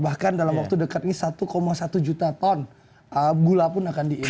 bahkan dalam waktu dekat ini satu satu juta ton gula pun akan diisi